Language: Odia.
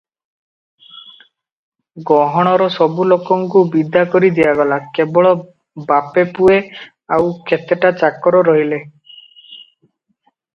ଗହଣର ସବୁ ଲୋକଙ୍କୁ ବିଦା କରି ଦିଆଗଲା, କେବଳ ବାପେ ପୁଏ ଆଉ କେତେଟା ଚାକର ରହିଲେ ।